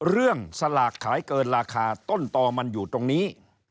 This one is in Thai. สลากขายเกินราคาต้นต่อมันอยู่ตรงนี้